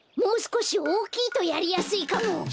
もうすこしおおきいとやりやすいかも！